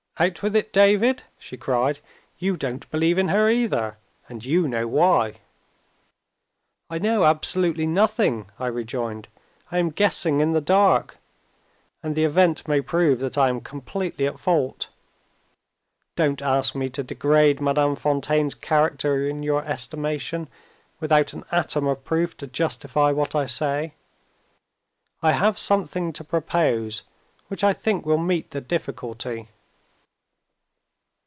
"Out with it, David!" she cried. "You don't believe in her, either and you know why." "I know absolutely nothing," I rejoined; "I am guessing in the dark; and the event may prove that I am completely at fault. Don't ask me to degrade Madame Fontaine's character in your estimation, without an atom of proof to justify what I say. I have something to propose which I think will meet the difficulty."